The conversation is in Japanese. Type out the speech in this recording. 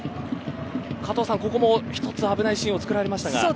加藤さん、ここも１つ危ないシーンを作られましたが。